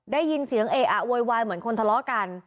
ได้ยินเสียงเออะโวยวายเหมือนคนทะเลาะกัน